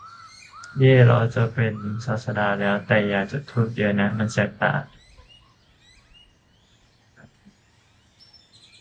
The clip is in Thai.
เย้ ! เราจะเป็นศาสดาแล้ว ! แต่อย่าจุดธูปเยอะนะ มันแสบตา